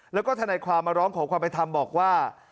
แล้วก็ธนัยความมาร้องของความไปทำบอกว่า